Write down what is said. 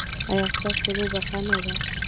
ایا ستاسو لوبه ښه نه ده؟